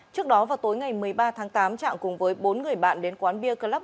trước đó vào tối ngày một mươi ba tháng tám trạng cùng với bốn người bạn đến quán bia club